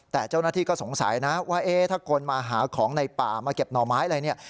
แต่เจ้าหน้าที่ก็สงสัยนะว่าเอ๊ะถ้าคนมาหาของในป่ามาเก็บหน่อไม้อะไรเนี่ย